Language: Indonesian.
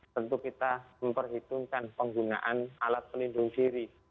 tentu kita memperhitungkan penggunaan alat pelindung diri